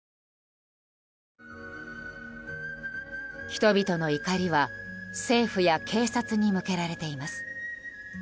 人々の怒りは政府や警察に向けられています。